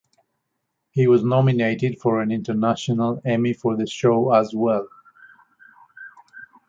He was nominated for an International Emmy for the show as well.